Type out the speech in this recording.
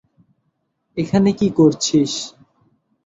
এখানে কী করছিস?